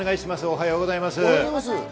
おはようございます。